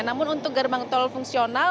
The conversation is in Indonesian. namun untuk gerbang tol fungsional